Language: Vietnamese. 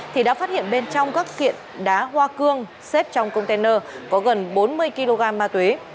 thì đã phát hiện bên trong các kiện đá hoa cương xếp trong container có gần bốn mươi kg ma túy